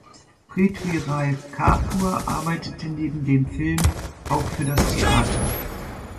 Prithviraj Kapoor arbeitete neben dem Film auch für das Theater.